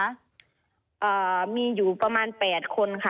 อ่ามีอยู่ประมาณแปดคนค่ะ